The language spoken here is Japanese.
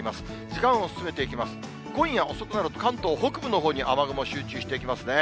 時間を進めていきます、今夜遅くなると、関東北部のほうに雨雲集中していきますね。